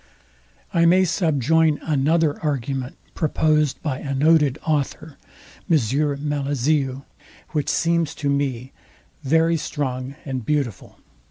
I may subjoin another argument proposed by a noted author, which seems to me very strong and beautiful.